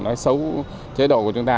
nói xấu chế độ của chúng ta